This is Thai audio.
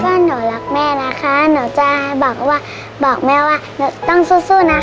ก็หนูรักแม่นะคะหนูจะบอกแม่ว่าหนูต้องสู้นะคะ